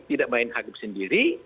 tidak main hakim sendiri